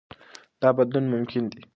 دا بدلون ممکن دی.